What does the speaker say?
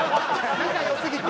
仲良すぎて。